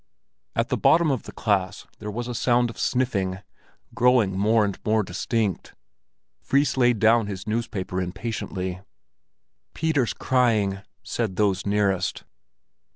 At the bottom of the class there was a sound of sniffing, growing more and more distinct. Fris laid down his newspaper impatiently. "Peter's crying," said those nearest.